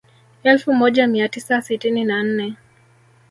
Elfu moja mia tisa sitini na nne